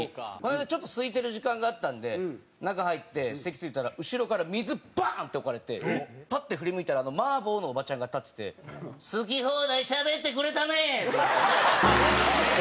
ちょっと空いてる時間があったんで中入って、席着いたら、後ろから水、バン！って置かれてパッて振り向いたらマーボーのおばちゃんが立ってて「好き放題しゃべってくれたね」。